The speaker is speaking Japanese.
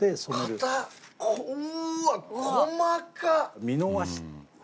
うわ細かっ！